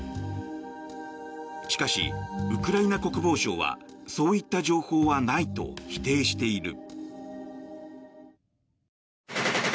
しかし、ウクライナ国防省はそういった情報はないと否定している。